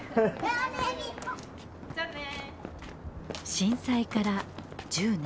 震災から１０年。